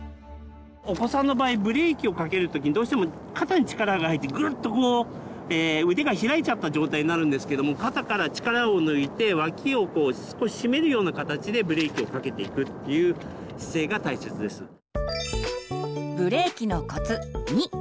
お子さんの場合ブレーキをかける時にどうしても肩に力が入ってグッとこう腕が開いちゃった状態になるんですけども肩から力を抜いて脇をこう少ししめるような形でブレーキをかけていくっていう姿勢が大切です。